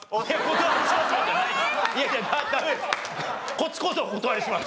こっちこそお断りします。